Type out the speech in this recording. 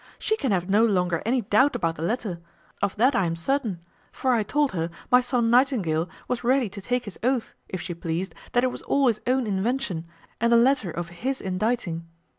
She can have no longer any doubt about the letter; of that I am certain; for I told her my son Nightingale was ready to take his oath, if she pleased, that it was all his own invention, and the letter of his inditing.